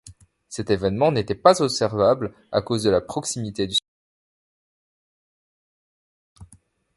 Cet événement n'était pas observable, à cause de la proximité du Soleil.